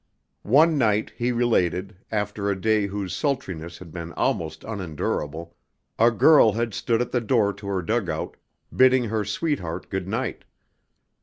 One night, he related, after a day whose sultriness had been almost unendurable, a girl had stood at the door to her dugout, bidding her sweetheart good night.